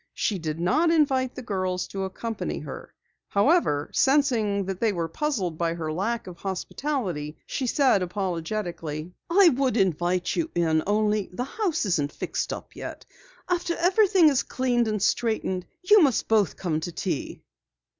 She did not invite the girls to accompany her. However, sensing that they were puzzled by her lack of hospitality she said apologetically: "I would invite you in only the house isn't fixed up yet. After everything is cleaned and straightened, you both must come to tea."